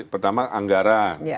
ya pertama anggaran